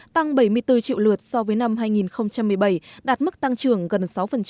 tăng bảy mươi bốn triệu lượt so với năm hai nghìn một mươi bảy đạt mức tăng trưởng gần sáu